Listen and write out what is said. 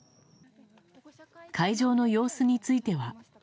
会場の様子については。